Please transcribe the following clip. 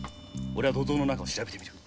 オレは土蔵の中を調べて見る。